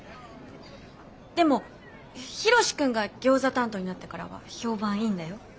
でもヒロシ君がギョーザ担当になってからは評判いいんだよ。